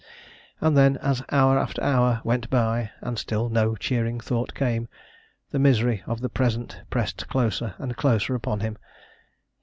And then, as hour after hour went by, and still no cheering thought came, the misery of the present pressed closer and closer upon him.